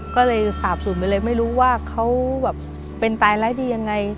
ก็เลยสาบสุดไปเลยไม่รู้ว่าเขาเป็นตายแล้วยังไง